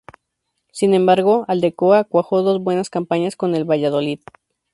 Sin embargo, Aldecoa cuajó dos buenas campañas con el Valladolid.